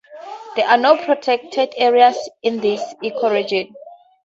There are no protected areas in this ecoregion.